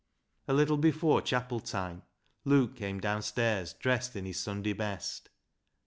A Httle before chapel time Luke came down stairs dressed in his Sunday best.